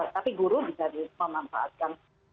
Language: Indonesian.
tapi guru bisa dimanfaatkan